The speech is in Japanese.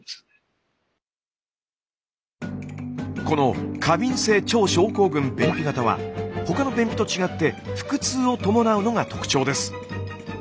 この過敏性腸症候群便秘型は他の便秘と違って腹痛を伴うのが特徴です。